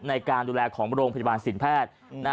ในการดูแลของโรงพยาบาลสินแพทย์